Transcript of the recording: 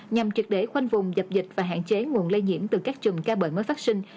nhằm trực để khoanh vùng dập dịch và hạn chế nguồn lây nhiễm từ các trùm ca bệ mới phát sinh